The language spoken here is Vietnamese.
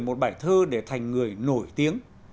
một bài thơ để thành người nổi tiếng